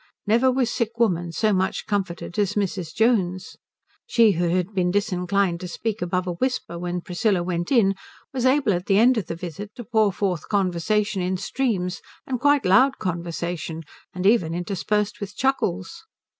Never was sick woman so much comforted as Mrs. Jones. She who had been disinclined to speak above a whisper when Priscilla went in was able at the end of the visit to pour forth conversation in streams, and quite loud conversation, and even interspersed with chuckles.